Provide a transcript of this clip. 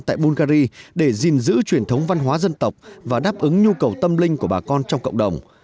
tại bungary để gìn giữ truyền thống văn hóa dân tộc và đáp ứng nhu cầu tâm linh của bà con trong cộng đồng